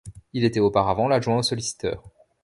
Il était auparavant l'adjoint au solliciteur.